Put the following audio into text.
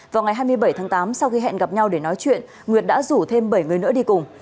vào ngày hai mươi bảy tháng tám sau khi hẹn gặp nhau để nói chuyện nguyệt đã rủ thêm bảy người nữa đi cùng